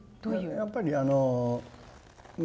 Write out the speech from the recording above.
やっぱりあのまあ